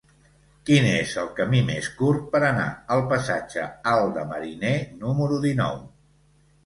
Quin és el camí més curt per anar al passatge Alt de Mariner número dinou?